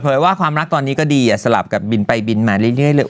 ว่าความรักตอนนี้ก็ดีสลับกับบินไปบินมาเรื่อยเลย